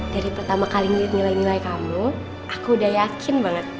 dari pertama kali ngeliat nilai nilai kamu aku udah yakin banget